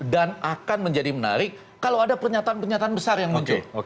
dan akan menjadi menarik kalau ada pernyataan pernyataan besar yang muncul